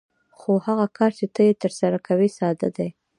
خو هغه کار چې ته یې ترسره کوې ساده دی